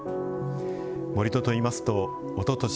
盛土といいますとおととし